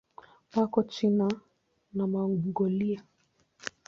Wako China na Mongolia.